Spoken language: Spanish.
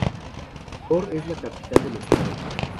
Bor es la capital del estado.